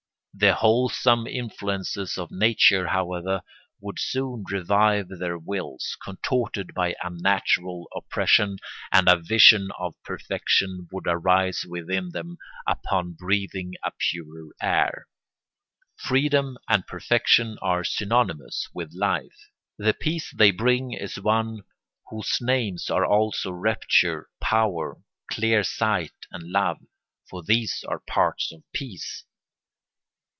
The wholesome influences of nature, however, would soon revive their wills, contorted by unnatural oppression, and a vision of perfection would arise within them upon breathing a purer air. Freedom and perfection are synonymous with life. The peace they bring is one whose names are also rapture, power, Clear sight, and love; for these are parts of peace.